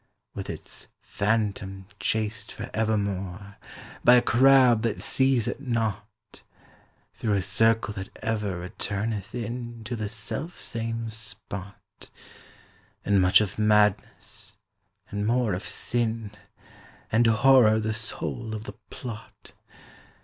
With its Phantom chased for evermore By a crowd that seize it not, 20 Through a circle that ever returneth in To the self same spot; And much of Madness, and more of Sin, And Horror the soul of the plot.